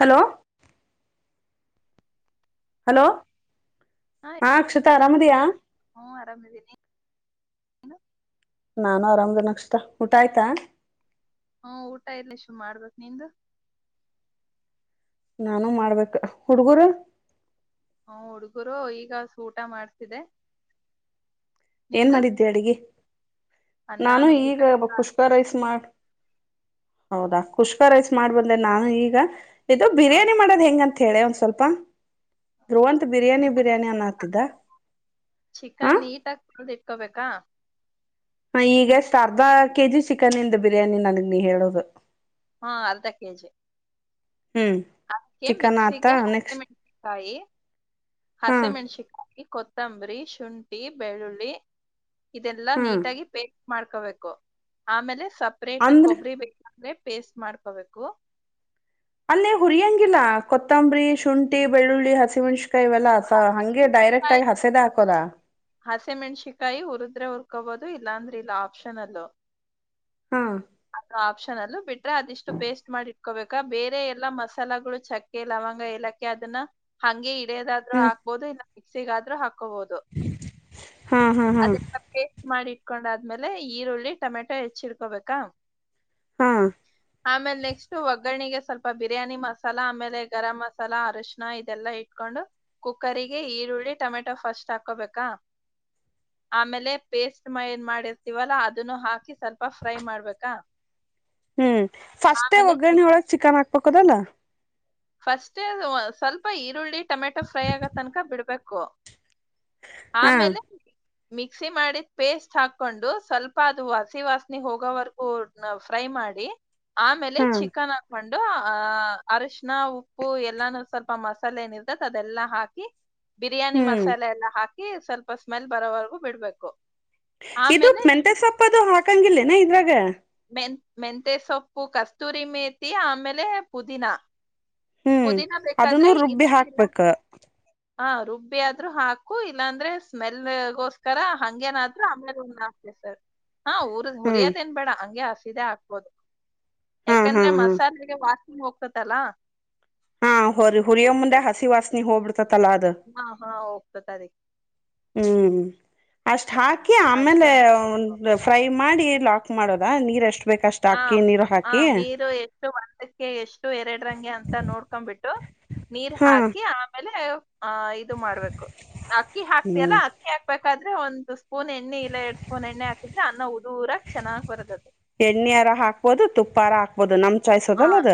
Hello hello ಹಾ ಅಕ್ಷತ ಅರಾಮದಿಯಾ. ಆರಾಮಿದೀನಿ ಹ್ಮ ನಾನು ಆರಾಮ್ದ ನಕ್ಷತ ಊಟ ಆಯ್ತಾ. ಹ್ಮ ಊಟ ಇಲ್ ಶು ಮಾಡ್ಬೇಕು ನಿಂದ್. ನಾನು ಮಾಡ್ಬೇಕ ಹುಡುಗುರು. ಹು ಹುಡುಗರು ಈಗಾಸಿ ಊಟ ಮಾಡ್ಸಿದೆ. ಏನ್ ಮಾಡಿದ್ದೆ ಅಡ್ಗಿ ಅನ್ನ ನಾನು ನುಗ್ಗಿಕಾಯಿ ಈಗ ಕುಷ್ಕ ರೈಸ್ ಮಾಡ ಹೌದಾ ಖುಷ್ಕರೈಸ್. ಮಾಡ್ಬಂದೆ ನಾನು ಈಗ. ಇದು ಬಿರಿಯಾನಿ ಹೌದಾ ಮಾಡದ್ ಹೆಂಗಂತ. ತ್ತೇಳೆ ಒಂದ ಸ್ವಲ್ಪ ಧ್ರುವಂತ್ ಬಿರಿಯಾನಿ ಬಿರಿಯಾನಿ ಅನ್ನತ್ತಿದ್ದ. ಕಬೇಕಾ. ಹ ಈಗೆಷ್ಟ ಅರ್ಧಾ. ಕೆ ಜಿ ಚಿಕನಿಂದ ಬಿರಿಯಾನಿ ನನಗ್ ನೀ ಹೇಳೋದು. ಹ ಅರ್ಧ ಕೆಜಿ. ಹ್ಮ್ ಚಿಕನ್ ಆತಾ ನೆಕ್ಸ್ಟ. ಕಾಯಿ. ಹಸೆ ಮೆಣಶಿಕಾಯಿ. ಕೊತ್ತಂಬರಿ ಶುಂಠಿ ಬೆಳ್ಳುಳ್ಳಿ. ಇದೆಲ್ಲಾ ಹಾ ನೀಟಾಗಿ ಪೆ ಮಾಡ್ಕೋಬೇಕು ಆಮೇಲೆ. ಸಪ್ರೇಟ್ ಅಂದ್ರ ಕೊಬ್ಬರಿ ಬೇ ಪೇಸ್ಟ್ ಮಾಡ್ಕೋಬೇಕು. ಅಲ್ಲೇ ಹುರಿಯಂಗಿಲ್ಲ ಕೊತ್ತಂಬರಿ ಶುಂಠಿ ಬೆಳ್ಳುಳ್ಳಿ ಹಸಿಮೆಣಸು ಕಾಯಿ ಇವೆಲ್ಲಸ ಹಂಗೆ ಹಸಿಮೆಣಸಿಕಾಯಿ ಡೈರೆಕ್ಟ್ ಆಗಿ ಹಸೇದೆ ಹಾಕೋದ. ಹಸಿಮೆಣ್ಸಿಕಾಯಿ ಹುರಿದ್ರೆ ಹುರ್ಕೊಬೋದು ಇಲ್ಲಾಂದ್ರ ಇಲ್ಲ ಆಪ್ಷನಲ್ಲ. ಹಾ ಅದ ಆಪ್ಷನ್ ಅಲ್ಲೂ ಬಿಟ್ರೆ ಅದಿಷ್ಟು ಪೇಸ್ಟ್ ಮಾಡಿ ಇಟ್ಕೋಬೇಕಾ ಬೇರೆ ಎಲ್ಲಾ ಮಸಾಲಗಳು ಚಕ್ಕೆ ಲವಂಗ ಏಲಕ್ಕ ಅದನ್ನ ಹಂಗೆ ಇ ತೇದ್ ಆದರು ಹ್ಮ್ ಹಾಬಹುದು ಇಲ್ಲ ಮಿಕ್ಸಿಗ ಆದ್ರೂ ಹಾಕ ಕ ಬೋದು ಹಾ ಹಾ ಹಾ ಅದನ್ನ ಪೇಸ್ಟ್ ಮಾಡಿ ಇಟ್ಕೋ. ಹಕೊಂಡಾದ್ಮೇಲೆ ಈರುಳ್ಳಿ ಟೊಮೆಟೊ ಹೆಚ್ಚಿ ಇಡ್ಕೋಬೇಕಾ. ಹಾ ಆಮೇಲೆ ನೆಕ್ಸ್ಟ ಒಗ್ಗರಣೆಗೆ ಸ್ವಲ್ಪ. ಸ್ಪ ಬಿರಿಯಾನಿ ಮಸಾಲ ಆಮೇಲೆ ಗರಂ ಮಸಾಲ ಅರಶಣ ಇದೆಲ್ಲಾ ಇಟ್ಕೊಂಡು ಕುಕ್ಕರಿಗೆ ಈರುಳ್ಳಿ ಟೊಮೆಟೊ ಫಸ್ಟ್ ಹಾಕೋಬೇಕಾ ಆಮೇಲೆ ಪೇಸ್ಟ್ ಏನ್ ಮಾಡಿರ್ತೀವಲ್ಲಾ ಅದನ್ನು ಹಾಕಿ ಸ್ವಲ್ಪ ಫ್ರೈ ಮಾಡ್ಬೇಕ‌. ಕ ಹ್ಮ್ ಫಸ್ಟೇ ಒಗ್ಗರಣ ಒಳಗ್ ಚಿಕನ್ ಹಾಕ್ಬೇಕ. ಕೊದಲ್ಲ. ಫಸ್ಟೆ ಅ ಸ್ವಲ್ಪ ಈರುಳ್ಳಿ. ಟಮೆಟೊ ಫ್ರೈ ಆಗತ ತನಕ ಬಿಡ್ಬೇಕು. ಕ್ಕು ಹಾ ಆಮೇಲೆ. ಮಿಕ್ಸಿ ಮಾಡಿದ ಪೇಸ್ಟ್ ಹಾಕೊಂಡು ಸ್ವಲ್ಪ ಅದು ಹಸಿ ವಾಸನಿ ಹೋಗೋವರ್ಗೂ ಫ್ರೈ ಮಾಡಿ. ಆಮೇಲೆ ಹಾ ಚಿಕನ್ ಹಾಕಂಡ. ಂಡು ಅರಷ. ನ್ನ ಉಪ್ಪು ಎಲ್ಲಾನು ಸ್ವಲ್ಪ ಮಸಾಲೆ ನಿ ಇರತ್ತತ್ತಿ ಅದೆಲ್ಲಾ ಹಾಕಿ. ಬಿರಿಯಾನಿ ಹ್ಮ್ ಮಸಾಲೆ ಎಲ್ಲಾ ಹಾಕ ಸ್ವಲ್ಪ ಸ್ಮೆಲ್ ಬರೋವರೆಗೂ ಬಿಡ್ಬೇಕು. ಇದು ಆಮೇಲೆ ಮೆಂತೆ ಸೊಪ್ಪದು ಹಾಕಂಗಿಲ್ಲೇನಾ ಇದ್ರಾಗ. ಮೆಂ ಮೆಂತೆ ಸೊಪ್ಪು ಕಸ್ತೂರಿ ಮೇತಿ ಆಮೇಲೆ ಪುದೀನಾ. ಹ್ಮ್ ಅದನ್ನುೂ ರುಬ್ಬಿ ಇಲ್ಲ ಹಾಕ್ಬೇಕ. ಹಾ ರುಬ್ಬಿ ಆದ್ರು ಹಾಕು ಇಲ್ಲಾಂದ್ರೆ ಸ್ಮೆಲ್ಗೋಸ್ಕರ ಹಂಗೇನಾದ್ರು ಆಮೇಲೆ ಒಂದ [unintelligible] ಹಾ ಊರ್ದ ಹ್ಮ್ ಹರಿಯದ ಏನ್ ಬೇಡ ಹಂ ಯು ಹಸಿದೆೇ ಹಾಕ್ಬೋದು. ಹಾ ಹಾ ಯಾಕಂದ್ರೆ ಹಾ ಮಸಾಲೆಗೆ ವಾಸ್ ನೀ ಹೋಗ್ತತಲ್ಲಾ. ಹಾ ಹೊ ಹುರಿಯೋ ಮುಂದೆ ಹಸಿ ವಾಸನಿ ಹೋಗ್ಬಡ್ತತಿ. ಹಾ ಹಾ [unintelligible] ಹ್ಮ್ ಅಷ್ಟ. ಹಾಕಿ ಅಷ್ಟೇ ಆಮೇಲೆ ಮಾಡ್ಬೇಕು ನೋಡಿ ಫ್ರೈ ಮಾಡಿ. ಲಾಕ್ ಮಾಡೋದ ನೀರ್ ಎಷ್ಟು. ಹ ಹ ನೀರು ಎಷ್ಟು ಒಂದಕ್ಕೆ ಎಷ್ಟು ಎರಡ ರಂಗೆ ಅಂತ ನೋಡ್ಕೊಂಡ್ಬಿಟ್ಟು ನೀರ್ ಹ್ಮ್ ಹಾಕಿ ಆಮೇಲೆ. ಹ ಇದು ಮಾಡ್ಬೇಕು ಅಕ್ಕಿ ಹಾಕ್ತಿಯಲ್ಲ ಅಕ್ಕಿ ಹಾಕ್ಬೇಕ. ಆದ್ರೆ ಒಂದು ಸ್ಪೂನ್ ಎಣ್ಣೆ ಇಲ್ಲ ಎರಡ್ ಸ್ಪೂನ್ ಎಣ್ಣೆ ಹಾಕಿದ್ರೆ ಅನ್ನ ಉದರಾಕ್ ಚನ್ನಾಗ್ ಬರದದೆ. ಎಣ್ಣಿ ಹರ ಹಾಕ್ಬಹದು ತುಪ್ಪ ಹರ ಹಾಕ್ಬೋದು ನನ್ನ ಚಾಯ್ಸ್ ಹಾ ದಲ್ಲದ.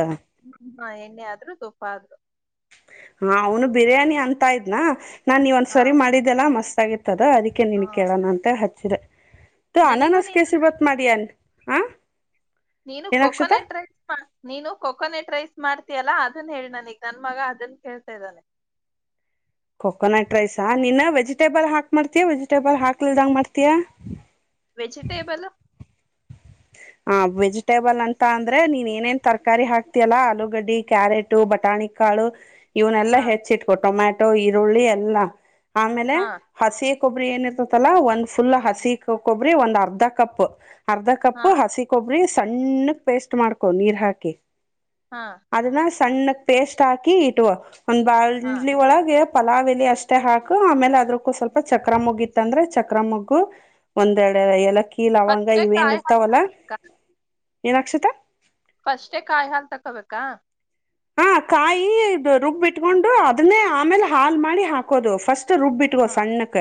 ಹಾ ಎಣ್ಣೆ ಆದ್ರು ತುಪ್ಪ ಆದ್ರು. ಹ ಅವನು ಬಿರಿಯಾನಿ ಅಂತ ಇದ್ನಾ. ನಾನು ನೀವ ಒಂದ್ ಹಾ ಸಾರಿ ಮಾಡಿದ್ದಲ್ಲ ಮಸ್ತ್. [unintelligible] ತ್ತದ ಅದಕ್ಕೆ ಹಾ ನೀನಗ ಕೇಳೋಣ ಅಂತ ಹ ಚಿದೆ. ತ ನನಿಗೂ ಅನಾನಾಸ ನೀನು ಕೇಸರಿಬಾತ್ ಮಾಡಿಏನ್. ನೀನು ಕೊಕೋನಟ್ ರೈಸ್ ನೀನು ಕೊಕೋನಟ್ ರೈಸ್ ಮಾಡ್ತಿ ಯಲ್ಲ ಅದನ್ ಹೇಳ್ ನನೀಗ ನನ್ ಮಗ ಅದನ್ ಕೇಳ್ತಾ ಇದ್ದಾನೆ. ಕೊಕೋನಟ್ ರೈಸಾ ನೀನ್ ವೆಜಿಟೇಬಲ್ ಹಾಕ್ ಮಾಡ್ತಿಯಾ ವೆಜಿಟೇಬಲ್ ಹಾಕ್ಲಿಲ್ದಂಗ ಮಾಡ್ತಿಯಾ. ಹ ವೆಜಿಟೇಬಲ್ ಅಂತ ಅಂದ್ರೆ ನೀನ್ ಏನೇನ್ ತರಕಾರಿ ಹಾಕ್ತಿಯಲ್ಲಾ ಆಲೂಗಡ್ಡಿ ಕ್ಯಾರೆಟು ಬಟಾಣಿಕಾಳು. ಇವನ್ನಲ್ಲ ಹಾ ಹೆಚ್ಚಿಟ್ಕೊ ಟೊಮ್ಯಾಟ್. ಅವು ಈರುಳ್ಳಿ ಎಲ್ಲ. ಆಮೇಲೆ ಹಾ ಹಸಿ. ಕೊಬ್ಬರಿ ಏನಿರ್ತಲ್ಲ ಒಂದ್ ಫುಲ್ ಹಸಿ ಕೊಬರಿ ಒಂದು ಅರ್ಧ ಕಪ್ ಅರ್ಧ ಕಪ್. ಹಾ ಹ ಹಸಿ ಕೊಬ್ರೀ. ಸಣ್ಣಕ್ ಪೇಸ್ಟ್ ಮಾಡ್ಕೊ ನೀರ್ ಹಾಕಿ. ಹಾ ಅದನ್ನ. ತಣ್ಣಕ್ ಪೇಸ್ಟ್ ಹಾಕಿ ಇಟ್ಕೊ. ಒಂದು ಹಾ ಬಾಂಡ್ಲಿ ಒಳಗೆ. ಪಲಾವಿಲಿ ಅಷ್ಟ ಹಾಕು ಆಮೇಲೆ ಅದ್ರಕ್ಕೂ ಸ್ವಲ್ಪ ಚಕ್ರಮೊಗ್ಗ ಇತ್ತ ಅಂದ್ರೆ ಚಕ್ರಮೊಗ್ಗು ಒಂದೆರಡು ಏಲಕ್ಕಿ. ಈ ಲವಂಗ ಏ ಇವೇನಿರ ಕಾಯಿ ಹಾಲ್ ತವಲಾ. ಏನ್ ಅಕ್ಷತ. ಕಷ್ಟೆ ಕಾಯಿ ಹಾಲ್ ತಕಬೇಕಾ. ಹ ಕಾಯಿ ರುಬ್ಬಿಟ್ಕೊಂಡು ಅದನ್ನೇ ಆಮೇಲೆ ಹಾಲ್ ಮಾಡಿ ಹಾಕೋದು ಫಸ್ಟ್. ರುಬ್ಬಿಟ್ಕೋ ಹಾ ಸಣ್ಣಕ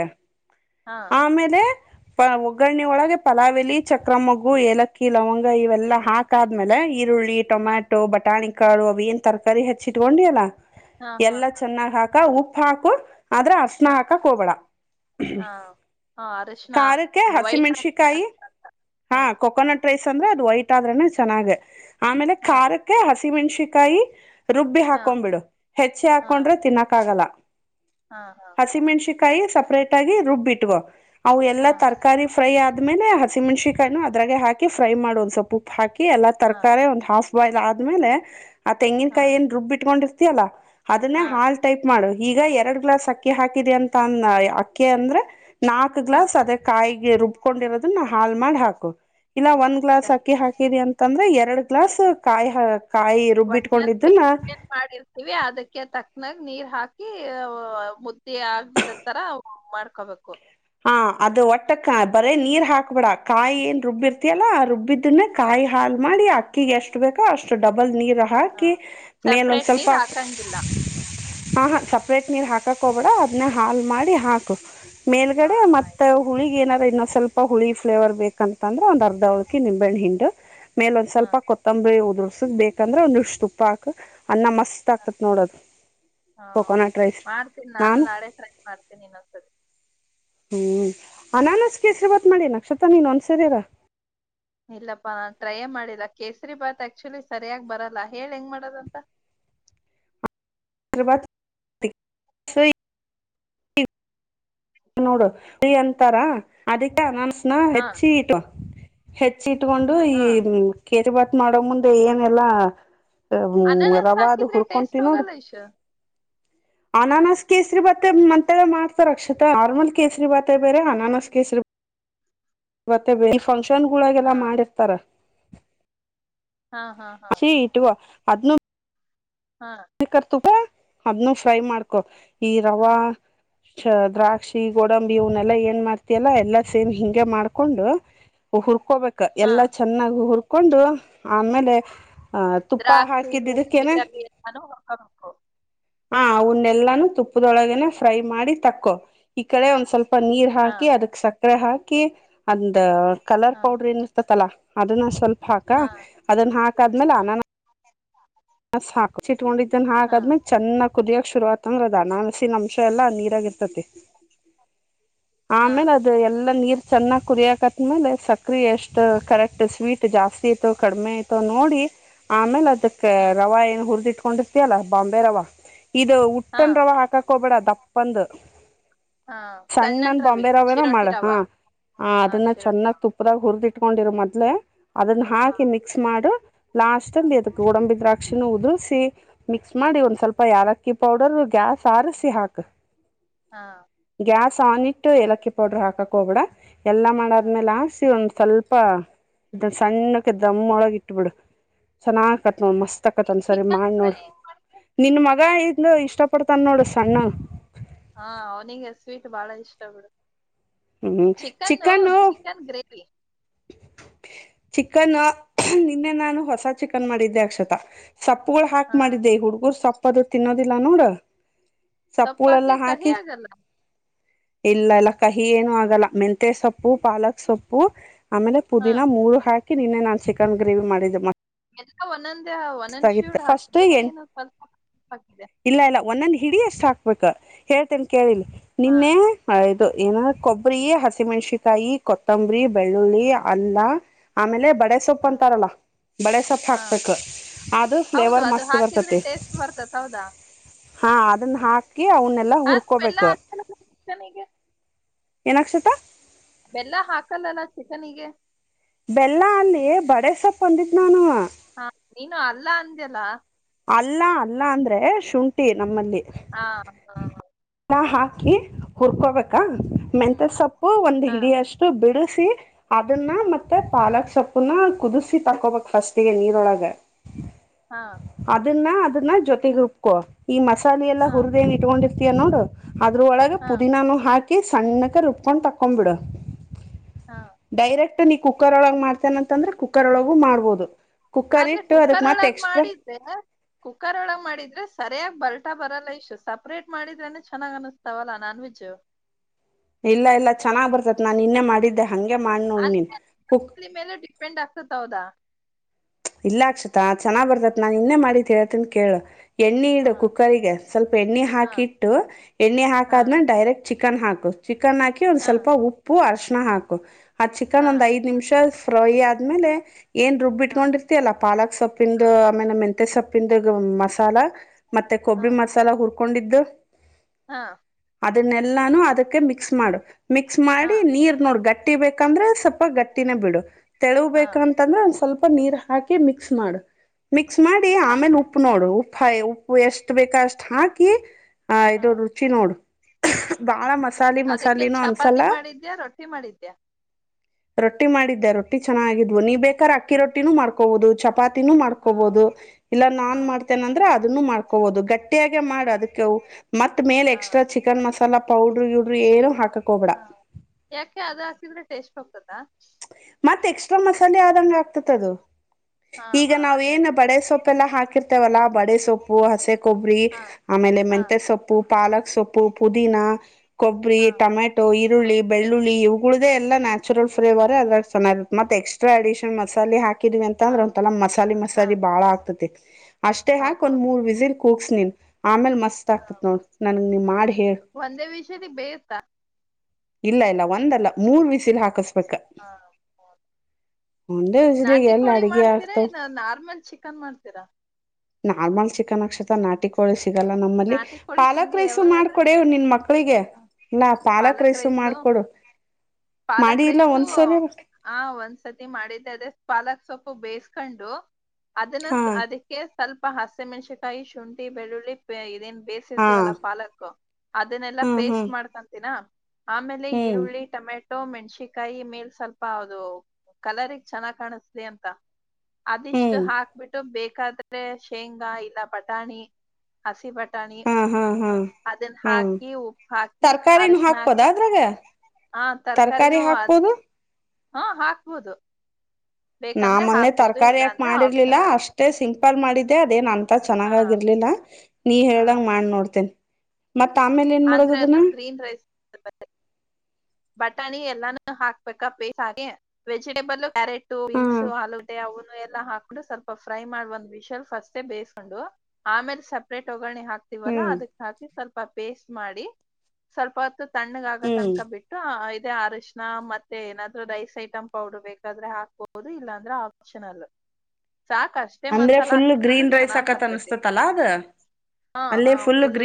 ಹಾ ಆಮೇಲೆ ಒಗ್ಗರಣೆ ಒಳಗೆ ಪಲಾವೇಲಿ, ಚಕ್ರ ಮೊಗ್ಗು, ಏಲಕ್ಕಿ, ಲವಂಗ, ಇವೆಲ್ಲಾ ಹಾಕಾದ್ಮೇಲೆ ಈರುಳ್ ಹಾ ಟೊಮ್ಯಾಟೋ ಬಟಾಣಿ ಕಾಳು ಅವೇನ್ ತರ್ಕಾರಿ ಹೆಚ್ಚಿಟ್ಕೊಂಡಿ ಅಲ್ಲ ಹಾ ಹಾ ಎಲ್ಲ ಚೆನ್ನಾಗ್ ಹಾಕ ಉಪ್ ಹಾಕ ಆದ್ರೆ ಅರಿಶ್ನ ಹಾ ಹಾಕಕ್ ಹೋಗ್ಬಡ ಹಾ ಹಾ ಅರಿಶಿನ ಖಾರಕ್ಕೆ ಹಸಿಮೆಣ್ಸಿಕಾಯಿ ಹಾ ಕೊಕೋನಟ್ ರೈಸ್ ಅಂದ್ರೆ ಅದು ವೈಟ್ ಆದ್ರೆನೆ ಚೆನ್ನಾಗೆ ಆಮೇಲೆ ಹಾ ಖಾರಕ್ಕೆ ಹಸ್ ಮೆಣಶಿನ್ಕಾಯಿ ರುಬ್ಬಿ ಹಾ ಹಾ ಹಾಕೊಂಡ್ಬಿಡು ಹೆಚ್ಚಿ ಹಾ ಹಾಕೊಂಡ್ರೆ ತಿನ್ನಕ ಆಗಲ್ಲ ಹಾ ಹಾ ಹಸಿಮೆಣ್ಸಿಕಾಯಿ ಸ ಪ್ರೇಟ್ ಆಗಿ ರುಬ್ಬಿಟ್ಗೋ. ಅ ಎಲ್ಲ ತರಕಾರಿ ಫ್ರೈ ಆದ್ಮೇಲೆ ಹ ಸಿಮೆಣ್ಶಿಣ್ಕಾಯಿನ ಅದ್ರಾಗ ಹಾಕಿ ಫ್ರೈ ಮಾಡ ಒಂದ್ ಸ್ವಲ್ಪ ಉಪ್ಪ ಹಾಕಿ. ಎಲ್ಲ ಹಾ ತರಕಾರಿ ಒಂದು ಹಾಫ್ ಬಾಯ್ಲ್ ಆದ್ಮೇಲೆ ಹಾ ತೆಂಗಿನಕಾಯ ಏನ್ ರುಬ್ಬಟ್ಕೊಂಡಿರ್ ಅಲ್ಲ ಅದನ್ನೇ ಹಾ ಹಾಲ್ ಟೈಪ್ ಮಾಡು. ಈಗ ಎರಡ್ ಗ್ಲಾಸ್ ಅಕ್ಕಿ ಹಾಕಿದಿ ಅಂತ ಅಂದ ಅಕ್ಕಿ ಅಂದ್ರೆ ನಾಕ ಹಾ ಗ್ಲಾಸ್ ಅದೇ ಕಾಯಿ ರುಬ್ಕೊಂಡಿರೋದನ್ನ ಹಾಲ್ ಮಾಡ್ ಹಾಕು. ಇಲ್ಲ ಒಂದ್ ಗ್ಲಾಸ್ ಸರಿ ಸರಿ. ಅಕ್ಕಿ ಹಾಕಿದಿ ಅಂತಂದ್ರ ಎ ಎರಡು ಗ್ಲಾಸ್ ಕಾಯ ಹಾ ಕಾಯಿ ರುಬ್ಬಿಟ್ ಒಟ್ನಲ್ಲಿ ಏನ್ ಮಾಡಿರ್ತೀವಿ ಅದಕ್ಕೆ ತಕ್ನಂ ನೀರ್ ಹಾಕಿ ಮುದ್ದೀ ಆಗ್ಲಿಲ್ಲ ತರ ಮಾಡ್ಕೋಬೇಕು. ಹಾ ಅದು ಒಟ್ಟಕ್ಕ ಬರೇ ನೀರ್ ಹಾಕ್ಬೇಡ ಕಾಯಿ ಏನ್ ರುಬ್ಬಿರ್ತಿಯಲ್ಲಾ ರುಬ್ಬಿ ದ್ದನ್ನ ಕಾಯಿ ಹಾಲು ಮಾಡಿ ಆಕ್ ಕ್ಕಿಗೆ ಎಷ್ಟು ಬೇಕೋ ಅಷ್ಟು ಡಬಲ್ ನೀರ್ ಹಾಕಿ ಮೇಲ್ ಒಂದು ಸ್ವಲ್ಪ ನೀರ್ ಹಾಕಂಗಿಲ್ಲ. ಹಾ ಹಾ ಸಪ್ರೇಟ್ ನೀರು ಹಾಕಕ್ಕೋಗ್ಬೇಡ ಅದನ್ನೇ ಹಾಲು ಮಾಡಿ ಹಾಕು. ಗಡೆ ಮತ್ತ ಹುಳಿಗೇನಾರ ಇನ್ನೊ ಸ್ವಲ್ಪ ಹುಳಿ ಫ್ಲೇವರ್ ಬೇಕಂತಂದ್ರ್ ಒಂದ್ ಅರ್ ದವಳ್ಕಿ ನಿಂಬೆಣ್ ಹಿಂಡ ಮೇಲ ಒಂದ ಸ್ವಲ್ಪ ಕೊತ್ತಂಬರಿ ಉದುರ್ ಬೇಕಂದ್ರ ಒಂದ್ ಇಷ್ಟು ತುಪ್ಪಾ ಆಕ. ಹಾ ಕೊಕೋನಟ್ ರೈಸ್ ಮಾಡ್ತೀನಿ ನಾನು ನಾಳೆ ಟ್ರೈ ಮಾಡ್ತೇನಿ ಇನ್ನೊಂದ್ಸತಿ. ಹ್ಮ್. ಅನಾನಸ್ ಕೇಸ್ರಿಬಾತ್ ಮಾಡೀನ. ಕ್ಷತ ನೀನೊಂದ್ ಸರಿರಾ ಇಲ್ಲಪ್ಪಾ ನಾನ್ ಟ್ರೈೇ ಮಾಡಿಲ್ಲ ಕೇಸರಿ ಬಾತ್ ಆಕ್ಚುಲಿ ಸರಿಯಾಗ್ ಬರಲ್ಲ ಹೇಳ್ ಹೆಂಗ್ ಮಾಡದಂತ. [unintelligible] ನೋಡು [unintelligible] ಅಂತಾರ ಅದಿಕ್ಕೆ ಅನಾನಸ್ ನಾ ಹಾ ಹೆಚ್ಚಿ ಇಟು ಹೆ ಚ್ಚಿ ಇಟ್ಟುಗೊಂಡು ಈ ಹಾ ಮ್ ಕೇಸ್ರಿ ಬಾತ್ ಮಾಡೋ ಮುಂದೆ ಏನೆಲ್ಲ ಅನಾನಸ್ ರವಾ ಅದು ಹಾಕಿದ್ರೆ ಹುರ್ಕೊಂತೀ ನೋಡ್ ಹೋಗಲ್ಲ ಇಶು. ಅನಾನಸ್ ಕೇಸ್ ಸರಿಬಾತ ಮಂತೆಳ ಮಾಡ್ತಾರ್ ಅಕ್ಷತ್ ನಾರ್ಮಲ್ ಕೇಸ್ರಿ ಬಾತೆ ಬೇರೆ ಅನಾನಸ್ ಕೇಸ್ರಿ ಬಾತೆ ಬೇರೆ ಈ ಫಂಕ್ಷ್ ನ್ ಗುಳ್ಯಾಗೆಲ್ಲ ಹಾ ಮಾಡಿರ್ತಾರ. ಹಾ ಹಾ ಹಾ ಸೀ ಇಟ್ಗೋ. ಅದ್ನು ಹಾ [unintelligible] ಅದ್ನೂ ಫ್ರೈ ಮಾಡ್ಕೊ. ಈ ರವ ಹಾ ಕ್ಷ ಹಾ ದ್ರಾಕ್ಷಿ ಗೋಡ್ ಡಂಬಿ ಇವ್ನೆಲ್ಲ ಏನ್ ಮಾಡ್ತ್ಯಲ್ಲ ಎಲ್ಲಾ ಸೇಮ್ ಹಿಂಗ ಮಾಡ್ಕೊಂಡು ಹುರ್ ಕೋಬೇಕ್ ಹಾ ಎಲ್ಲಾ ಚೆನ್ನಾಗ್ ಹು ಕೊಂಡು ಆಮೇಲೆ ಆ ತುಪ್ಪ ಹಾಕಿದ್ದಿದ್ದಕ್ಕೆನ ಹಕೋ ಆ ಅವನ್ನೆಲ್ಲಾನೂ ತುಪ್ಪದೊಳಗೆನೆ ಫ್ರೈ ಮಾಡಿ ತಕ್ಕೋ ಈ ಕಡೆ ಒಂದ್ ಸ್ವಲ್ಪ್. ಪನ್ನೀರ್ ಹಾಕಿ ಅದಕ್ ಸಕ್ರೆ ಹಾಕಿ. ಕಿ ಅಂದಾ. ಕಲರ್ ಹಾ ಪೌಡರ್ [unintelligible] ಅದನ್ನ ಸ್ವಲ್ಪ್. ಹಾಕ ಹಾ ಅದನ್ ಹಾಕಾದ್ಮೇಲೆ ಹಾ ಅನನ [inaudible] ಆ ಸಾಕ ಚಿ [inaudible] ಇಕೊಂಡಿದ್ದನ್ ಹಾ ಹಾಗಾಕಾದ್ಮಲೆ ಚೆನ್ನ ಕುದಿಯ ಶುರುತ ಅಂದ್ರ ಅನನಾಸಿನ ಅಂಶ ಎಲ್ಲ ನೀ [inaudible] ತೆ [unintelligible] ಹಾ ಆಮೇಲೆ ಅದ ಎಲ್ಲಾ ನೀರ್ ಚೆನ್ನಾಗಿ್ ಕುದಿ ಕಾದ್ಮೇಲೆ ಸಕರೆೆ ಎಷ್ಟು ಕರೆಕ್ಟ್ ಸ್ವೀಟ್ ಜಾಸ್ತಿ ಆಯತೋ ಕಡಿಮೆ ಆಯತು ನೋಡಿ ಆಮೇಲೆ ಅದು [unintelligible] ಅದಕ್ಕ ಹಾ ರವ ಏನ್ ಹುರಿದಿಟ್ [inaudible] ಹಕೊಂಡಿರ್ತಲ್ಲ ಬಾಂಬೆ ರವ [unintelligible] ಇದು ಹಾ ಉುಟ್ಟನ್ ರವ ಹಾಕಾಕ ಹೋಬೇಡ ದಪಿ. ಬಂದು [unintelligible] ಹಾ ನಾ ಸಣ್ಣನ್ ರವಿ ಬಾಂಬೆ ರಾವನ ಚಿರೋಟಿ ಮಾಡಳ ರವ ಹಾ ಹಾ ಅದನ್ನ ಚಿರೋಟಿ ಚನ್ನಾಗ್ ರವ ತುಪ್ಪದಾಗ ಹುರಿದಿಟ್ಟ. ಇಟ್ಕೊಂಡಿರೋ ಮೊದ್ಲೆ [unintelligible] ಅದನ್ನ ಹಾ ಹಾಕಿ ಮಿಕ್ಸ್ ಮಾಡು. ಲಾಸ್ಟ್ ಅದು ಗೊಡಂಬಿ ದ್ರಾ [unintelligible] ಉದುರಿಸಿ [unintelligible] ಮಿಕ್ಸ್ ಮಾಡಿ ಹಾ ಒಂದ್ ಸ್ವಲ್ಪ ಯಏಾರಕ್ಕಿ ಪೌಡರ್ ಗ್ಯಾಸ್ ಸಾರಸಿ ಹಾಕ್ ಹಾ [unintelligible] ಸಾಾನಿಟ್ಟ ಏಲಕ್ಕಿ ಪೌಡರ್ ಹಕಕ್ಕೂ ಹೊಗ್ಬೆಡ ಎಲ್ಲಾ ಹಾ ಮಾಡಾದ್ಮೇಲೆ ಆಸಿ ಒಂದ. ಸ್ವಲ್ಪ ಇದ ಸಣ್ಣಕ್ಕೆ ದಮ್ಮೊಳಗ ಇಟ್ಬಿಬಿಡು ಹಾ ಚೆನ್ನಕತ್ ನೋ ಮಸ್ತ್ ಆಕತ್ ಒಂದಸರಿ ಚಿಕನ್ ಮಾಡ ಫ್ರೈ ನೋಡ್ ಹೆಂಗ್ ಮಾಡ್ತಿ ನಿನ್ ಮಗ ಇಷ್ಟ ಪಡ್ತಾನ ನೋಡು ಸಣ್ಣವ. ಹಾ ಅವನಿಗೆ ಸ್ವೀಟ್ ಬಾಳ ಇಷ್ಟ ಬಿಡು. ಹ್ಞೂ ಚಿಕನ್ನು ಚಿಕನ್ ಗ್ರೇವಿ‌. ಚಿಕನ್ ನಿನ್ನೆ ನಾನು ಹೊಸ ಚಿಕನ್ ಮಾಡಿದ್ದೆ ಅಕ್ಷತಾ. ಸೊಪ್ಪುಗಳು ಹಾಕ್ ಹಾ ಮಾಡಿದ್ದೆ ಈ ಹುಡ್ಗರು ಸೊಪ್ಪು. ತ್ತದ್ ತಿನ್ನೋದಿಲ್ಲ ನೋಡ. ಸಪ್ಪಾ ಹಾಕಿ ಕಹಿ ಆಗಲ್ಲ. ಇಲ್ಲ ಇಲ್ಲ ಕಹಿ ಏನು ಆಗಲ್ಲ ಮೆಂತೆ ಸೊಪ್ಪು ಪಾಲಕ್ ಸೊಪ್ಪು. ಆಮೇಲೆ ಹಾ ಪುದೀನ ಮೂರು ಹಾಕಿ. ಕಿ ನಿನ್ನೆ ನಾನು ಚಿಕನ್ ಗ್ರೇವಿ ಮಾಡಿದ್ದ ಮ ಎದಕ ಒನನ್. ಒನನ್ ಶೂಡ್ ಫಸ್ಟ್ ಹಾಕಿದೆ ಎಣ್ ಏನು ಸ್ವಲ್ಪ ಹಾಕಿದ. ಇಲ್ಲ ಇಲ್ಲ ಒಂದೊಂದ್ ಹಿಡಿ ಅಷ್ಟು ಹಾಕ್ಬೇಕ ಹೇಳ್ತೇನೆ ಕೇಳಿಲ್ಲಿ. ಹಾ ನಿನ್ನೆ ಆಯ್ತ್. ಏನ ಕೊಬ್ಬರಿ ಹಸಿಮೆಣ್ಸಕಾಯಿ ಕೊತ್ತಂಬರಿ ಬೆಳ್ಳುಳ್ಳಿ ಅಲ್ಲ ಆಮೇಲೆ. ಬಡೆ ಸೊಪ್ಪು ಹಾ ಅಂತಾರಲ್ಲ ಬಡೆ ಸೊಪ್ಪು ಹಾ ಹಾಕ್ಬೇಕು. ಅದು ಹೌದು ಫ್ಲೇವರ್ ಅದು ಮಸ್ತ್ ಹಾಕಿದ್ರೆ ಬರ್ತತಿ ಟೇಸ್ಟ್ ಬರ್ತತ್ ಹೌದಾ. ಹಾ ಅದನ್ನ ಹಾಕ್. ಕಿ ಅವನ್ನೆಲ್ಲ ಹುರ್ಕೊಬೇಕು. ನನಗೆ. ಏನಕ್ಷತ. ಬೆಲ್ಲ ಹಾಕಲ್ಲಲ್ಲ ಚಿಕನಿಗೆ. ಬೆಲ್ಲ ಅಲ್ಲೆ ಬಡೆ ಸೊಪ್ಪ ಅಂದಿದ್ ನಾನು. ಹಾ. ನೀನು ಅಲ್ಲ ಅಂದ್ಯಲ್ಲ. ಅಲ್ಲ ಅಲ್ಲ ಅಂದ್ರೆ ಶುಂಠಿ. ನಮ್ಮಲ್ಲಿ ಹಾ ಹಾ ಲ್ಲ ಹಾ ಹಾಕಿ. ಹುರ್ಕೊಬೇಕ್. ಕ ಹ್ಮ್, ಮೆಂತ ಸೊಪ್ಪು ಒಂದ್ ಹಾ ಹಿಡಿ ಅಷ್ಟು ಬಿಡ. ಸಿ ಅದನ್ನ ಮತ್. ಮತ್ತೆ ಹಾ ಪಾಲಕ್ ಸೊಪ್ಪುನ. ಕುದಿಸಿ ತಕ್ಕೋಬೇಕ್ ಫಸ್ಟಿಗೆ ನೀರೊಳಗೆ. ಹಾ. ಅದನ್ನ ಅದನ್ನ ಜೊತೆಗೆ ರೂಬ್ಕೋ ಈ ಮಸ್ ಸಾಲಿ ಎಲ್ಲ ಹಾ ಹುರ್ದೇನ ಇಟ್ಕೊಂಡಿರ್ತೀಯ ನೋಡು ಅದ್ರೊಳಗ ಹಾ ಪುದೀನಾನು ಹಾಕ್ ಕಿ ಸಣ್ಣಕ ರುಬ್ಕೊಂಡ್ ತಕ್ಕೊಂಬಿಡು. ಹಾ ಡೈರೆಕ್ಟ್ ನೀ ಕುಕ್ಕರ್ ಒಳಗ ಮಾಡ್ತೇನಂತಂದ್ರೆ ಕು ಕ್ಕರೊಳಗೂ ಮಾಡ್ಬೋದು. ಕುಕ್ಕರ್ ಆದ್ರೆ ಇಟ್ಟು ಕುಕ್ಕರ್ ಅದಕ್ಕೆ ಮತ್ತೆ ಒಳಗ್ ಎಕ್ಸ್ಟ್ರಾ ಮಾಡಿದ್ದೆ. ಕುಕ್ಕರ್ ಒಳಗೆ ಮಾಡಿದ್ರೆ ಸರಿಯಾಗಿ ಬಲ್ಟ ಬರಲ್ಲ ಐಷು ಸಪ್ರೇಟ್ ಮಾಡಿದ್ರೇನೆ ಚೆನ್ನಾಗ್ ಅನಿಸ್ತಾವಲ್ಲ ನಾನ್ವೆಜ್ಜು. ಇಲ್ಲ ಇಲ್ಲ ಚೆನ್ನಾಗ್ ಬರ್ತತಿ ನಾನ್ ನಿನ್ನೆ ಮಾಡಿದ್ದೆ. ಹಾಗೆ ಮಾಡಿ ನೋಡಿ ನೀನು ಕುಕ್ [unintelligible] ಮೇಲು ಡಿಪೆಂಡ್ ಆಗ್ತತ್ ಹೌದ. ಇಲ್ಲ ಅಕ್ಷತಾ ಚೆನ್ನಾಗ ಬರ್ದತ್ ನಾನ್ ನಿನ್ನೇ ಮಾಡಿದ್ ಹೇಳತನ್ ಕೇಳು. ಎಣ್ಣಿ ಇಡು ಹಾ ಕುಕ್ಕರ್ಗೆ ಸ್ವಲ್ಪ ಎಣ್ಣಿ ಹಾ ಹಾಕಿಟ್ಟು ಎಣ್ಣಿ ಹಾ ಹಾಕಾದ್ಮೇಲೆ ಡೈರೆಕ್ಟ್ ಚಿ ಕನ್ ಹಾಕು. ಚಿಕನ್ ಹಾಕಿ ಒಂದು ಹಾ ಸ್ವಲ್ಪ ಉಪ್ಪು ಅರ್ಷ್ ನಾ ಹಾಕೊ. ಆ ಚಿಕನ್ ಹಾ ಒಂದು ಐದು ನಿಮಿಷ ಫ್ರೈ ಆದ್ಮೇಲೆ ಏನು ಹಾ ರುಬ್ಬಿಟ್ಗೊಂಡಿರ್ ಪಾಲಕ್ ಹಾ ಸೊಪ್ಪಿಂದು ಆಮೇಲೆ ಮೆ ಂತೆ ಸೊಪ್ಪಿಂದ ಮಸಾಲ ಮತ್ತೆ ಕೊಬ್ಬರಿ ಮಸಾಲ ಹುರ್ ಕೊಂಡಿದ್ದ ಹಾ. ಅದನ್ನೆಲ್ಲಾನು ಅದಕ್ಕೆ ಮಿಕ್ಸ್ ಮಾಡು. ಮಿಕ್ಸ್ ಹಾ ಮಾಡಿ ನೀರ್ ನೋಡ್ ಗಟ್ ಟ್ಟಿ ಬೇಕಂದ್ರೆ ಸ್ವಪ್ಪ ಗಟ್ಟಿನೇ ಬಿಡು. ಹಾ ತೆಳೂಬೇಕಂತಂದ್ರ ಒಂದ್ ಸ್ವಲ್ಪ್ ಪ ನೀರ ಹ್ ಹಾಕಿ ಮಿಕ್ಸ್ ಮಾಡ ಮಿಕ್ ಕ್ಸ್ ಮಾಡಿ ಅದ್- ಆಮೇಲೆ ಉಪ್ಪು ನೋಡು ಉಪ್ಪ ಹಾ ಉಪ್ ಎಷ್ಟ ಬೇಕ ಅಷ್ಟ್ ಹಾಕಿ. ಹಾ ಇದು ರುಚಿ ನೋಡು ಬಾಳ ಹಾ ಮಸಾಲೆ ಅದಕ್ಕೆ ಮಸಾಲಿನೂ ಚಪಾತಿ ಅನ್ಸಲ್ಲ. ಮಾಡಿದ್ಯಾ ರೊಟ್ಟಿ ಮಾಡಿದ್ಯಾ ರೊಟ್ಟಿ ಮಾಡಿದ್ದೆ ರೊಟ್ಟಿ ಚೆನ್ನಾಗಿದ್ವ ನೀ ಬೇಕಾದ್ರ ಅಕ್ಕಿ ರೊಟ್ಟಿನ ಮಾಡ್. ಕೋದು ಚಪಾ ತಿನು ಹಾ ಮಾಡ್ಕೋಬಹುದು ಇಲ್ಲಾ ಹಾ ನಾನ್ ಮಾಡ್ತೇನೆ ಅಂದ್ರೆ ಅದನ್ನು ಮಾಡ್ಕೋಬಹುದು ಗಟ್ಟಿ. ಗಟ್ಟಿ ಗ ಮಾಡು. ಮತ್ ಮೇಲೆ ಹಾ ಎಕ್ಸ್ಟ್ರಾ ಚಿಕನ್ ಮಸಾಲಾ ಪೌಡರು ಗಿವಡರು ಏನೋ ಹಾಕಕ್ ಹೋಗಬೇಡ. ಹಾ ಯಾಕೆ ಅದ ಹಾಕಿದ್ರೆ ಟೇಸ್ಟ್ ಹೋಗ್ತದಾ ಮತ್ತ ಎಕ್ಸ್ಟ್ರಾ ಮಸಾಲೆ ಆದಂಗ ಆಗ್ತತ್ ಅದು. ಹಾ ಈಗ ಹಾ ನಾವ ಅದೇ ಏನು ಅದೇ ಬಡೆ ಸೊಪ್ಪೆಲ್ಲ ಹಾಕಿರ್ತೇವಲ್ಲಾ ಬಡೆ ಸೊಪ್ಪು ಹಸೆ ಕೊಬ್ರಿ ಹಾ ಆಮೇಲೆ ಹಾ ಮೆಂತೆ ಸೊಪ್ಪು ಪಾಲಕ್ ಸೊಪ್ಪು ಪುದೀನಾ ಕೊಬ್ಬರಿ ಹಾ ಟೊಮೆಟೊ ಹಾ ಈರುಳ್ಳಿ ಬೆಳ್ಳುಳ್ಳಿ ಇವುಗಳ್ದೇ. ಇಲ್ಲ ನ್ಯಾಚು ಫಲೇವರೆ ಅದ್ರ ಚೆನ್ನಾಗಿ ಮತ್ತೆ ಎಕ್ಸ್ಟ್ರ ಅಡಿಷನ್ ಮಸಾಲೆ ಹಾಕಿದೀವಿ ಹಾ ಅಂತಂದ್ರೆ ಒಂತಲ ಮಸಾಲೆ ಹಾ ಮಸಾಲಿ ಬಾಳ ಆಗ್ತತಿ. ಹ ಅಷ್ಟೇ ಹಾಕ್ ಒಂದ್ ಹೌದೌದು ಮೂರ್ ವಿಸಿಲ್ ಕೂಗ್ಸ್ ನೀನ್. ಆಮೇಲ್ ಮಸ್ತ್ ಹಾ. ಆಗ್ತತ್ ನೋಡ ನನ್ಗೆ ನೀ ಮಾಡಿ ಹೇಳ. ಒಂದೇ ವಿಷಯದ ಬೇಯುತ್ತಾ ಇಲ್ಲ ಇಲ್ಲ ಒಂದಲ್ಲ ಮೂರ್ ವಿಸಿಲು ಹಾಕ. ಒಂದೇ ವಿಸಿಲಿಗೆ ನಾಟಿ ಎಲ್ಲ ಕೋಳಿ ಅಡಗೆ ಮಾಡ್ತೀರಾ ಆಗ್ತಾವ ಏನ ನಾರ್ಮಲ್ ಚಿಕನ್ ಮಾಡ್ತೀರಾ. ತಿ ನಾಟಿಕೋಳಿಸ್. ಸಿಗಲ್ಲ ನಮ್ಮಲ್ಲಿ ನಾಟಿ ಕೋಳಿ ಪಾಲಕ್ ತಿಂಡಿ ರೈಸು ಯಾವಾಗಾದ್ರೂ ಮಾಡ್ಕೊದೆವ್ ನಿನ್ ಮಕ್ಕಳಿಗೆ ಹ. ಇಲ್ಲಾ ಪಾಲಕ್ ರೈಸು ಮಾಡ್ಕೊಡು ಮಾಡಿ. ತು ಒಂದ್ಸರಿ ಹ ಒಂದ್ಸತಿ ಮಾಡಿದ್ದೆ ಅದೇ ಪಾಲಕ್ ಸೊಪ್ಪು ಬೇ ಇಸಕಂಡು. ಅದನ್ನ ಹಾ ಅದಕ್ಕೆ. ಸ್ವಲ್ಪ ಹಸೆ ಮೆಣಸಿನಕಾಯಿ ಶುಂಠಿ ಬೆಳ್ಳುಳ್ಳಿ. ಪೆಇದಿನ್. ಹಾ ಬೇಯ್ಸಿರ್ತೀವಲ್ಲ ಪಾಲಕ್ ಅದನ್ನೆಲ್ಲಾ ಹ್ಮ್ ಹ್ಮ್ ಪೇಸ್ಟ್ ಮಾದ್ಕನ್ತಿನ. ಆಮೇಲೆ ಹ್ಮ್ ಈರುಳ್ಳಿ ಟೊಮ್ಯಾ ಎಟ್ಟೋ ಮೆಣ್ಸಿಕಾಯಿ ಮೇಲ್ ಸ್ವಲ್ಪ ಅದು ಕಲರಿಗ್ ಚೆನ್ನಾಗ್ ಕಾಣಸ್ಲಿ ಅಂತ. ಅದಿಷ್ಟು ಹ್ಮ್ ಹಾಕ್ಬಿಟ್ಟು ಬೇ ಕದಲೆ ಶೇಂಗಾ ಇಲ್ಲ ಬಟಾಣಿ. ಹಸಿ ಬಟ್ ಟನಿ ಹಾ ಹಾ ಹಾ ಅದನ್ ಹ್ಮ್ ಹಾಕಿ ಉಪ್ಪ್ ಹಾಕಿ ತರಕಾರಿನೂ ಅರಿಶ್ನ ಹಾಕ್ಬೋದ ಹಾಕಿ ಅದ್ರಾಗ ಹ ತರಕಾರಿ ತರಕಾರಿನೂ ಹಾ ಹಾಕ್ಬೋದು ಹಾ ಹಾಕ್ಬೋದು. ನಾ ಬೇಕಂದ್ರೆ ಮೊನ್ನೆ ಹಾಕ್ಬೋದು ತರ್ಕಾರಿ ಹಾಕ್ ಇಲ್ಲಾಂದ್ರೆ ಮಾಡಿರ್ಲಿಲ್ಲ ಆಪ್ಷನಲ್ ಅಷ್ಟೇ ಸಿಂಪಲ್ ಮಾಡಿದ್ದೆ ಅದೇನ್ ಅನ್ ತ ಹಾ ಚೆನ್ನಾಗಾಗಿರ್ಲಿಲ್ಲ. ನೀ ಹಾ ಹೇಳ್ದಂಗ್ ಮಾಡ್ ನೋಡ್ತೇನ್. ಮತ್ತ್ ಆಮೇಲೆ ಏನ್ ಮಾಡೋದ್ ಅಂದ್ರೆ ಅದು ಅದನ್ನ. ಗ್ರೀನ್ ರೈಸ್ ಬಟಾಣಿ ಎಲ್ಲಾನು ಹಾಕ್ಬೇಕ ಪೇಸ್ ಆಗಿ ವೆಜಿಟೇಬಲ್ ಕ್ಯಾರೆ ಟು ಹಾ ಬೀನ್ಸು, ಆಲೂಗಡ್ಡೆ, ಅವು ಎಲ್ಲ ಹಾಕೊನ್ಡು ಸ್ವಲ್ಪ ಫ್ರೈ ಮಾಡ್ ಒನ್ದ್ ವಿಷಲ್ ಫಸ್ಟೇ ಬೇಯ್ಸ್ಕೊಂಡು ಆಮೇಲ್ ಸೆಪ್ರೇಟ್ ಒಗ್ಗರಣೆ ಹಾಕ್ತಿವಲ್ಲ ಹ್ಮ್ ಅದಕ್ ಹಾಕಿ ಸ್ವಲ್ಪ ಪೇಸ್ಟ್ ಮಾಡಿ ಸ್ವಲ್ಪ ಹೊತ್ತು ತಣ್ಣಗಾಗ ಹ್ಮ್ ತನಕ ಬಿ ಅ ಇದೆ ಅರಶಿನ ಮತ್ತೆ ಏನಾದರು ರೈಸ್ ಐಟಮ್ ಪೌಡರು ಬೇಕಾದ್ರೆ ಹಾಕ್ಬೋದು ಇಲ್ಲಾಂದ್ರೆ ಆಪ್ಷನಲ್ಲು. ಸಾಕ ಅಷ್ಟೇ ಅಂದ್ರೆ ಮಸಾಲ ಫುಲ್ ಹಾಕಿದ್ರುನು ಗ್ರೀನ್ ರೈಸ್ ಚೆನ್ನಾಗ್ ಆಕತ್ ಬರ್ತತಿ ಅನಸ್ತತಲ್ಲಾ ಅದ ಹಾ ಅಲ್ಲೇ ಹಾ ಫುಲ್ ಗ್ರೀನ್ ಫುಲ್ಲು